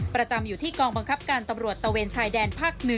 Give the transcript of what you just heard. ประจำอยู่ที่กองบังคับการตำรวจตะเวนชายแดนภาค๑